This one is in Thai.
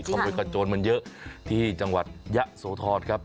ขโมยกระโจนมันเยอะที่จังหวัดยะโสธรครับ